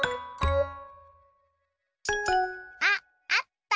あっあった！